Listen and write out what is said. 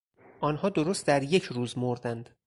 آنها درست در یک روز مردند.